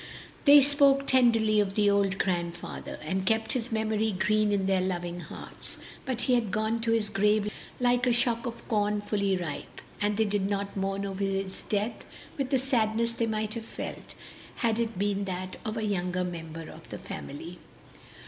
They spoke tenderly of the old grandfather, and kept his memory green in their loving hearts, but he had gone to his grave like a shock of corn fully ripe, and they did not mourn over his death with the sadness they might have felt had it been that of a younger member of the family.